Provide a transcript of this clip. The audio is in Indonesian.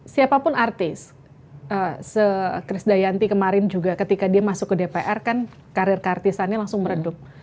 siapapun artis chris dayanti kemarin juga ketika dia masuk ke dpr kan karir kartisannya langsung meredup